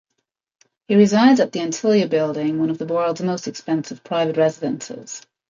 He resides at the Antilia Building, one of the world's most expensive private residences.